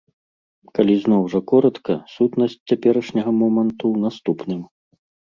Калі зноў жа каротка, сутнасць цяперашняга моманту ў наступным.